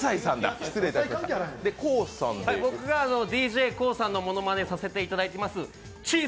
僕がＤＪＫＯＯさんのものまねをさせていただいていますちぃ